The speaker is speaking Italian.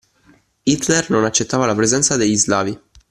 Hitler non accettava la presenza degli slavi